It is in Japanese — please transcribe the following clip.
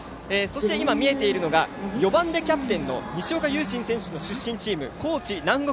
見えているのが４番でキャプテンの西岡悠慎選手の出身チーム高知南国